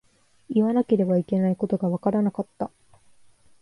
言わなければいけないことがわからなかった。